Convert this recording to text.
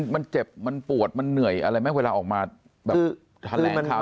มันเจ็บมันปวดมันเหนื่อยอะไรไหมเวลาออกมาแบบแถลงข่าว